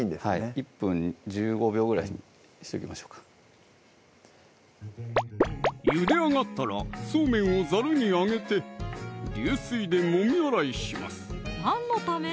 １分１５秒ぐらいにしときましょうかゆで上がったらそうめんをざるにあげて流水でもみ洗いします何のため？